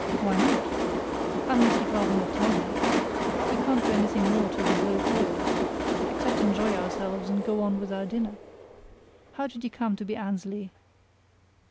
"Why not? unless you'd rather not tell me. We can't do anything more till the blow falls, except enjoy ourselves and go on with our dinner. How did you come to be Annesley?"